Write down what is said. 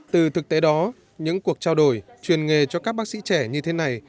từ thực tế đó những cuộc trao đổi truyền nghề cho các bác sĩ trẻ như thế này